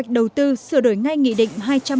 đầu tư sửa đổi ngay nghị định hai trăm ba mươi